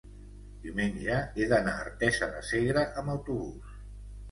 diumenge he d'anar a Artesa de Segre amb autobús.